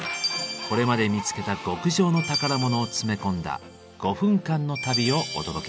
これまで見つけた極上の宝物を詰め込んだ５分間の旅をお届け。